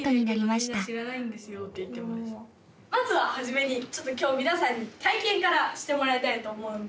まずは初めにちょっと今日皆さんに体験からしてもらいたいと思うんですけど。